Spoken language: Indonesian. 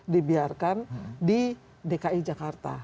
dibiarkan di dki jakarta